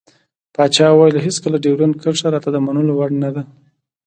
پاچا وويل هېڅکله ډيورند کرښه راته د منلو وړ نه دى.